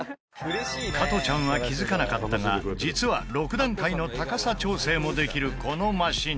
加トちゃんは気付かなかったが実は、６段階の高さ調整もできるこのマシン